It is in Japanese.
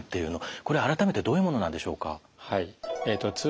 これ改めてどういうものなんでしょうか？